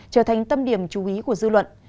trở thành tâm điểm chú ý của dư luận